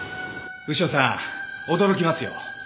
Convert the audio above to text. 牛尾さん驚きますよ。